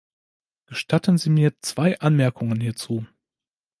Gestatten Sie mir zwei Anmerkungen hierzu.